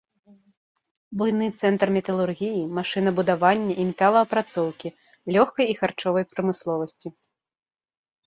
Буйны цэнтр металургіі, машынабудавання і металаапрацоўкі, лёгкай і харчовай прамысловасці.